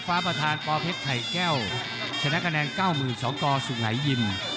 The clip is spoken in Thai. ประธานปเพชรไข่แก้วชนะคะแนน๙๒กสุงัยยิม